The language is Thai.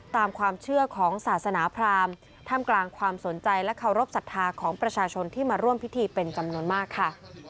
ตามความเชื่อของศาสนาพรามท่ามกลางความสนใจและเคารพสัทธาของประชาชนที่มาร่วมพิธีเป็นจำนวนมากค่ะ